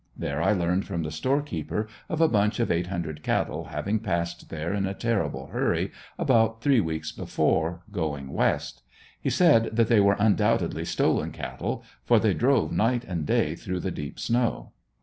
There I learned from the storekeeper of a bunch of eight hundred cattle having passed there in a terrible hurry, about three weeks before, going west. He said that they were undoubtedly stolen cattle, for they drove night and day through the deep snow.